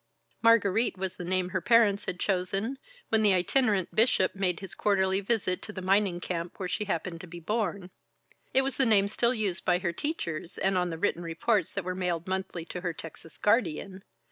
"Margarite" was the name her parents had chosen, when the itinerant bishop made his quarterly visit to the mining camp where she happened to be born. It was the name still used by her teachers, and on the written reports that were mailed monthly to her Texas guardian.